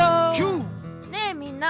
ねえみんな！